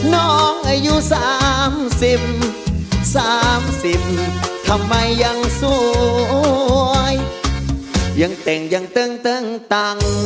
น้องอายุสามสิบสามสิบทำไมยังสวยยังเต้งยังเตื้องตัง